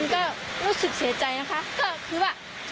เชื่อใจนะคะก็คือว่า